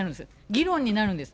議論になるんです。